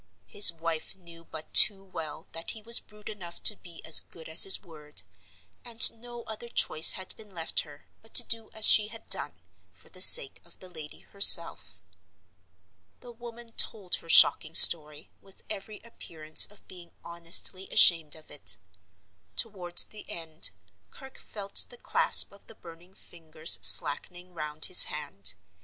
His wife knew but too well that he was brute enough to be as good as his word; and no other choice had been left her but to do as she had done, for the sake of the lady herself. The woman told her shocking story, with every appearance of being honestly ashamed of it. Toward the end, Kirke felt the clasp of the burning fingers slackening round his hand.